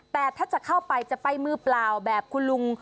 แต่ถ้าจะเข้าไปจะไปมือเปล่าแบบคุณลุง